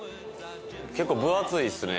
結構分厚いですね。